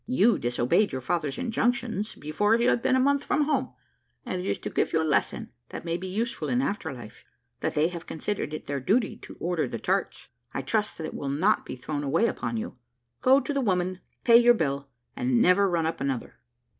You disobeyed your father's injunctions before you had been a month from home; and it is to give you a lesson that may be useful in after life, that they have considered it their duty to order the tarts. I trust that it will not be thrown away upon you. Go to the woman, pay your bill, and never run up another."